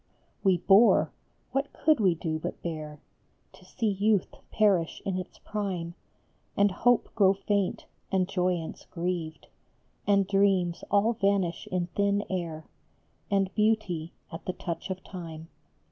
We bore what could we do but bear ? To see youth perish in its prime, And hope grow faint, and joyance grieved, And dreams all vanish in thin air, And beauty, at the touch of time, AN EASTER SONG.